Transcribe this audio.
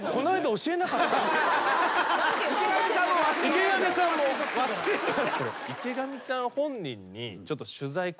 池上さんも忘れてんだ。